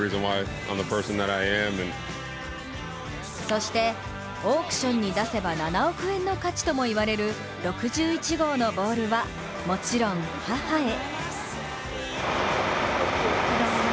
そしてオークションに出せば７億円の価値ともいわれる６１号のボールはもちろん母へ。